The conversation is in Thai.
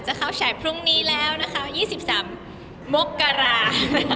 เข้าฉากพรุ่งนี้แล้วนะคะ๒๓มกรา